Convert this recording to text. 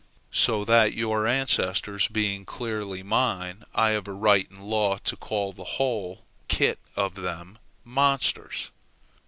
So that, your ancestors being clearly mine, I have a right in law to call the whole "kit" of them monsters.